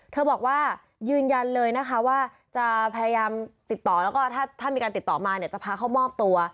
บอกว่ายืนยันเลยนะคะว่าจะพยายามติดต่อแล้วก็ถ้ามีการติดต่อมาเนี่ยจะพาเข้ามอบตัว